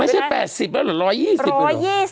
ไม่ใช่๘๐แล้วหรอ๑๒๐อีกหรอ